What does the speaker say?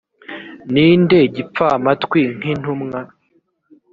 ni nde gipfamatwi nk intumwa